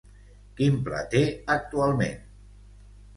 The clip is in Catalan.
Quin pla té actualment?